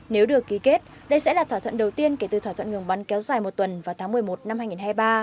nếu được ký kết đây sẽ là thỏa thuận đầu tiên kể từ thỏa thuận ngừng bắn kéo dài một tuần vào tháng một mươi một năm hai nghìn hai mươi ba